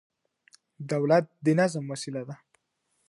دولت د نظم وسيله ده.